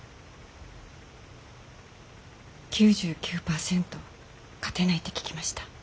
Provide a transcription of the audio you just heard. ９９％勝てないって聞きました。